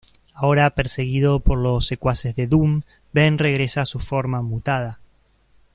Ahora perseguido por los secuaces de Doom, Ben regresa a su forma mutada.